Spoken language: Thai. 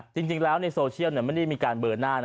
จริงแล้วในโซเชียลไม่ได้มีการเบอร์หน้านะ